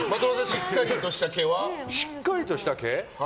しっかりとした毛は？